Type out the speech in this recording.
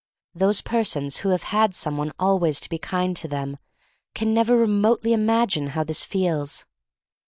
"Those persons who have had some one always to be kind to them can never remotely imagine how this feels.